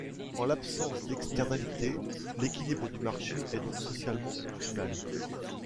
En l’absence d'externalités, l’équilibre du marché est donc socialement optimal.